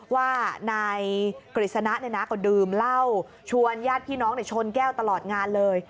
ว่านายกฤษณะก็ดื่มเหล้าชวนญาติพี่น้องชนแก้วตลอดงานเลย